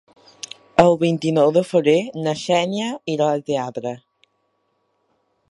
El vint-i-nou de febrer na Xènia irà al teatre.